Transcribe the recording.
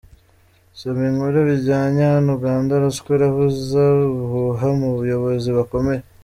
Soma inkuru bijyanye hano: Uganda: ruswa iravuza ubuhuha mu bayobozi bakomeye